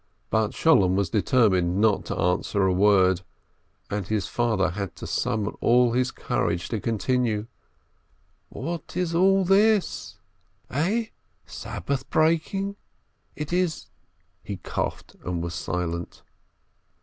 But Sholem was determined not to answer a word, and his father had to summon all his courage to con tinue : "What is all this? Eh? Sabbath breaking! It is—" He coughed and was silent.